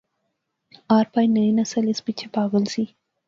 آر پار نئی نسل اس پچھے پاغل سی